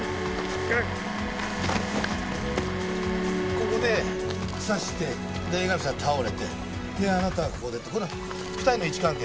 ここで刺してで江上さん倒れてあなたはここでってこの２人の位置関係